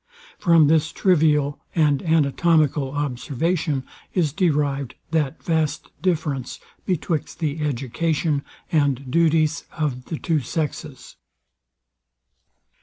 From this trivial and anatomical observation is derived that vast difference betwixt the education and duties of the two sexes.